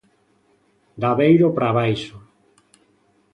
De Aveiro para abaixo.